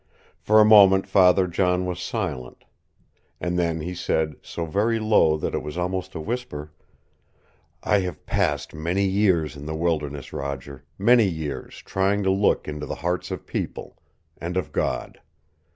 For a moment Father John was silent. And then he said, so very low that it was almost a whisper, "I have passed many years in the wilderness, Roger, many years trying to look into the hearts of people and of God.